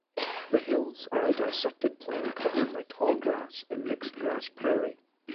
The hills are a dissected plain covered by tallgrass and mixed-grass prairie.